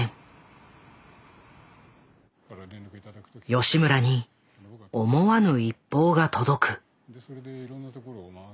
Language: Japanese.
吉村に思わぬ一報が届く。